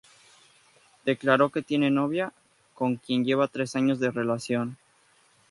Declaró que tiene novia, con quien lleva tres años de relación.